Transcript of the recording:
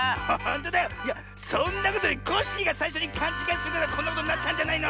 いやそんなことよりコッシーがさいしょにかんちがいするからこんなことになったんじゃないの！